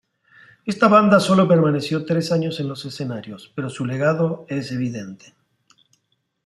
Esta banda sólo permaneció tres años en los escenarios, pero su legado es evidente.